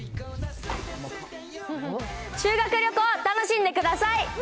修学旅行、楽しんでください。